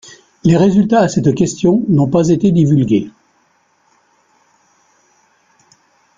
Les résultats à cette question n'ont pas été divulgués.